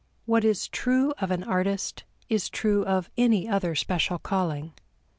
What is true of an artist is true of any other special calling.